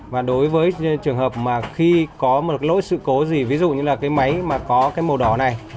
và đối với trường hợp mà khi có một lỗi sự cố gì ví dụ như là cái máy mà có cái màu đỏ này